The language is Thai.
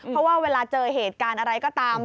เพราะว่าเวลาเจอเหตุการณ์อะไรก็ตาม